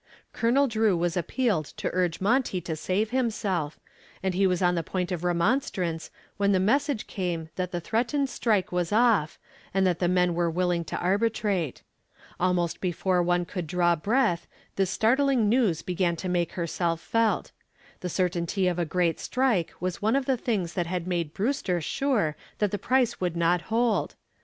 Colonel Drew was appealed to urge Monty to save himself, and he was on the point of remonstrance when the message came that the threatened strike was off, and that the men were willing to arbitrate. Almost before one could draw breath this startling news began to make itself felt. The certainty of a great strike was one of the things that had made Brewster sure that the price could not hold.